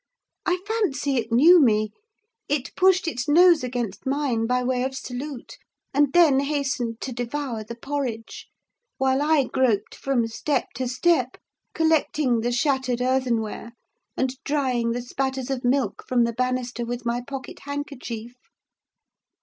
I fancy it knew me: it pushed its nose against mine by way of salute, and then hastened to devour the porridge; while I groped from step to step, collecting the shattered earthenware, and drying the spatters of milk from the banister with my pocket handkerchief.